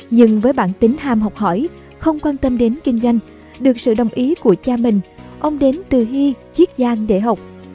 nhưng với bản tính hàm học hỏi không quan tâm đến kinh doanh được sự đồng ý của cha mình ông đến từ hy chiết giang để học